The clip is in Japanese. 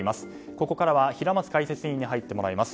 ここからは平松解説委員に入ってもらいます。